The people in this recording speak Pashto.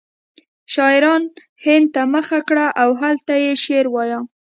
شاعرانو هند ته مخه کړه او هلته یې شعر وایه